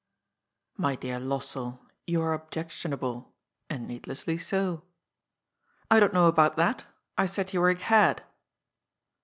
*'My dear Lossell, you are objectionable. And need lessly so." " I don't know about that. I said you were a cad."